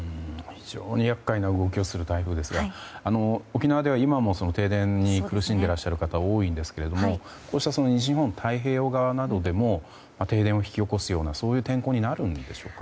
非常に厄介な動きをする台風ですが沖縄では今も停電に苦しんでいらっしゃる方が多いんですがこうした西日本太平洋側などでも停電を引き起こすような天候になるんでしょうか。